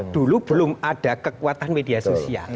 dulu belum ada kekuatan media sosial